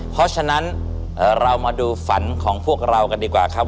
เพราะฉะนั้นเรามาดูฝันของพวกเรากันดีกว่าครับ